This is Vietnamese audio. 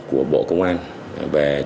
của bộ công an về